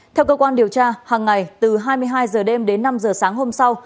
theo cơ quan điều tra hàng ngày từ hai mươi hai h đêm đến năm h sáng hôm sau